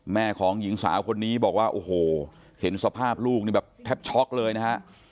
แม่ของหญิงสาวคนนี้บอกว่าโอ้โหเห็นสภาพลูกนี่แบบแทบช็อกเลยนะฮะ